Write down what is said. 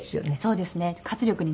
そうです。